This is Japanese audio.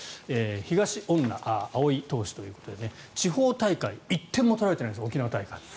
東恩納蒼投手ということで地方大会１点も取られていないです沖縄大会。